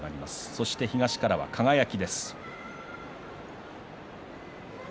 そして東からは輝です。